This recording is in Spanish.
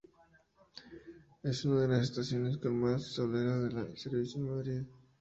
Es una de las estaciones con más solera del servicio en Madrid.